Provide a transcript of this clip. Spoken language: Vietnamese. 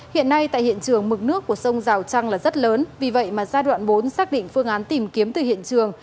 hiện nay tại hiện trường mực nước của sông rào trăng là rất lớn vì vậy mà giai đoạn bốn xác định phương án tìm kiếm từ hiện trường